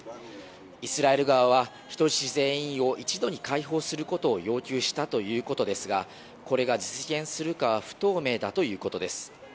イスラエル側は人質全員を一度に解放することを要求したということですがこれが実現するかは不透明だということです。